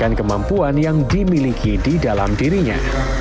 kemampuan yang dimiliki di dalam dirinya